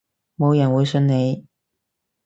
冇人會信你